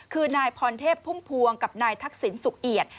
คือนายพรเทพพุ่มพวงกับนายทักษิณสุขเอียด